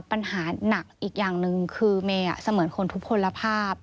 ปัญหาหนักอีกอย่างหนึ่งคือเมย์เสมือนคนทุกคนละภาพ